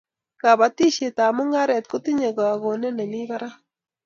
kabatishiet ab mungaret kotinye kagonet nemi barak